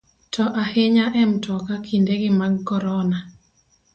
To ahinya e mtoka kinde gi mag korona.